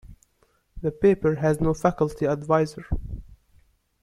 The paper has no faculty adviser.